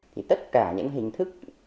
tất cả những hình thức